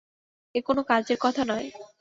এ কোনো কাজের কথা নয়।